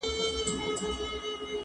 زه کولای سم سندري واورم!